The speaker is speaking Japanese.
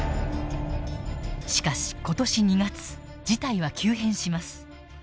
しかし今年２月事態は急変します。